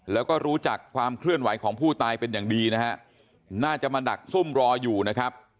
แล้วก็รู้จักความเคลื่อนไหวของผู้ตายเป็นอย่างดีนะฮะน่าจะมาดักซุ่มรออยู่นะครับ